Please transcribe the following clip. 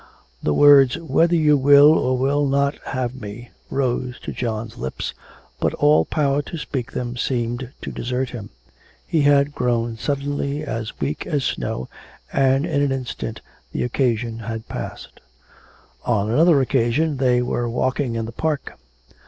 The words 'Whether you will or will not have me' rose to John's lips, but all power to speak them seemed to desert him; he had grown suddenly as weak as snow, and in an instant the occasion had passed. On another occasion they were walking in the park.